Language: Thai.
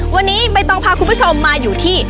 วันนี้ใบตองพาคุณผู้ชมมาอยู่ที่